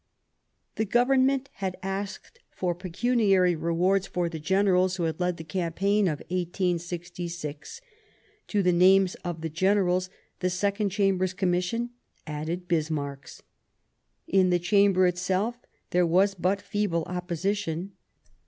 The Government had asked for pecuniary rewards for the generals who had led the campaign of 1866 ; to the names of the generals the Second Chamber's Commission added Bismarck's. In the Chamber itself there was but feeble opposition.